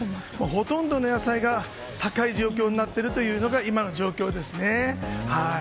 ほとんどの野菜が高い状況になっているのが今の状況ですね。